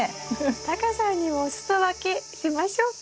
タカさんにもお裾分けしましょうか？